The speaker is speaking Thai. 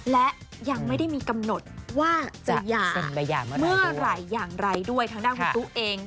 และยังไม่ได้มีกำหนดว่าจะหย่าเมื่อไหร่อย่างไรด้วยทางด้านคุณตุ๊กเอง